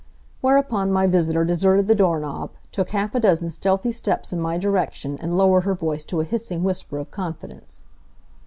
Whereupon my visitor deserted the doorknob, took half a dozen stealthy steps in my direction and lowered her voice to a hissing whisper of confidence.